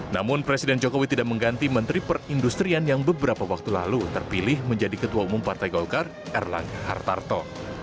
namun presiden jokowi tidak mengganti menteri perindustrian yang beberapa waktu lalu terpilih menjadi ketua umum partai golkar erlangga hartarto